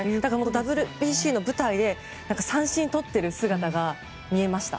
ＷＢＣの舞台で三振をとっている姿が見えました。